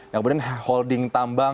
yang kemudian holding tambang